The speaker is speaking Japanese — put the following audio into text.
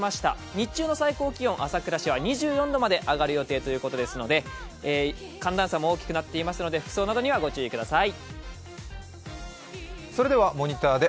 日中の最高気温朝倉市は２３度まで上がる予想ということですので、寒暖差も大きくなっていますので服装などにはご注意ください。